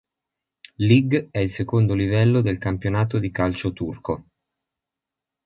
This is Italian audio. Lig, è il secondo livello del campionato di calcio turco.